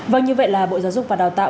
vâng như vậy là bộ giáo dục và đào tạo